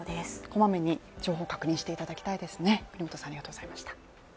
こまめに情報確認していただきたいですね。